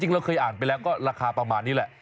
เราเคยอ่านไปแล้วก็ราคาประมาณนี้แหละ